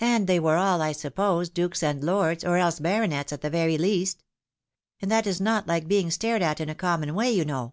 And they were all, I suppose, dukes and lords, or else baronets, at the very least. And that is not hke being stared at in a common way, you know."